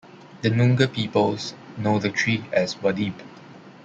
The Noongar peoples know the tree as Waddib.